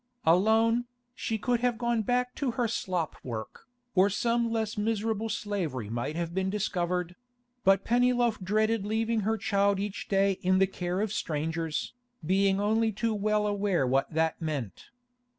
Alone, she could have gone back to her slop work, or some less miserable slavery might have been discovered; but Pennyloaf dreaded leaving her child each day in the care of strangers, being only too well aware what that meant.